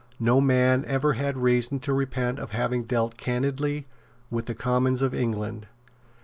No man ever had reason to repent of having dealt candidly with the Commons of England."